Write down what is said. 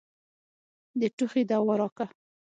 د ټوخي دوا راکه.